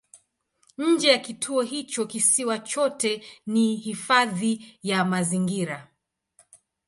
Nje ya kituo hicho kisiwa chote ni hifadhi ya mazingira.